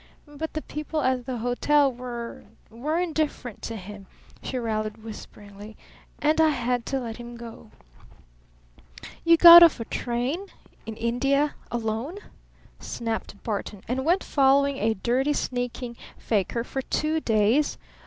"But the people at the hotel were were indifferent to him," she rallied whisperingly. "And I had to let him go." "You got off a train? In India? Alone?" snapped Barton. "And went following a dirty, sneaking fakir for two days?